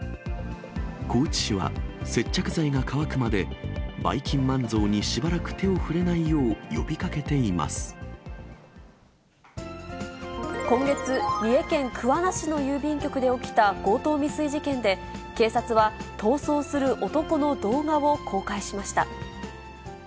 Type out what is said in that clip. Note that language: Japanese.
高知市は、接着剤が乾くまで、ばいきんまん像にしばらく手を触れないよう、今月、三重県桑名市の郵便局で起きた強盗未遂事件で、警察は逃走する男の動画を公開しました。